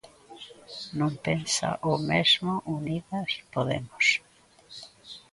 Non pensa o mesmo Unidas Podemos.